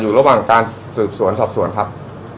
ระหว่างการสืบสวนสอบสวนครับ